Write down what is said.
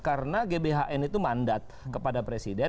karena gbhn itu mandat kepada presiden